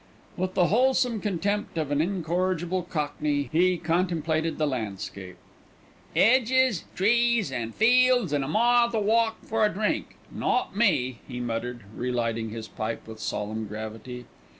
With the wholesome contempt of an incorrigible cockney he contemplated the landscape. "'Edges, trees, an' fields, an' a mile to walk for a drink. Not me," he muttered, relighting his pipe with solemn gravity.